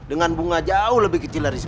dengan bunga jauh lebih kecilnya dari saya